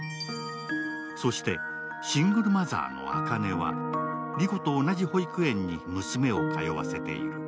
そして、シングルマザーの朱音は、莉子と同じ保育園に娘を通わせている。